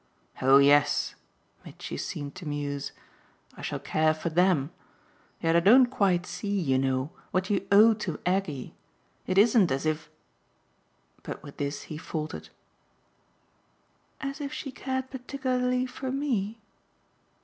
"Oh yes" Mitchy seemed to muse. "I shall care for THEM. Yet I don't quite see, you know, what you OWE to Aggie. It isn't as if !" But with this he faltered. "As if she cared particularly for ME?